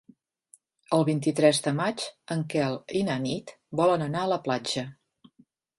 El vint-i-tres de maig en Quel i na Nit volen anar a la platja.